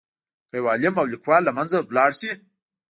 که یو عالم او لیکوال له منځه لاړ شي.